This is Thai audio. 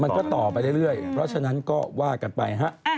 มันก็ต่อไปเรื่อยเพราะฉะนั้นก็ว่ากันไปฮะ